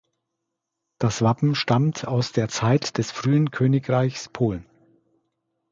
Das Wappen stammt aus der Zeit des frühen Königreichs Polen.